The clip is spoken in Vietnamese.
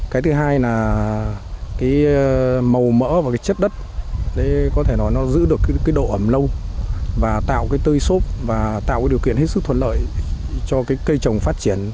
cái thứ hai là màu mỡ và chất đất giữ được độ ẩm lâu và tạo tơi sốt và tạo điều kiện hết sức thuận lợi cho cây trồng phát triển